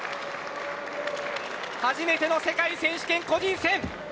初めての世界選手権個人戦。